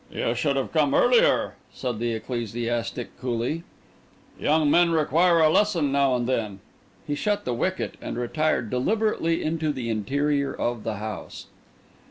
"You should have come earlier," said the ecclesiastic coolly. "Young men require a lesson now and then." He shut the wicket and retired deliberately into the interior of the house.